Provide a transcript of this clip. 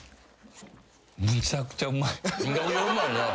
むちゃくちゃうまいな。